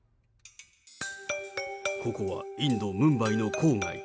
ここはインド・ムンバイの郊外。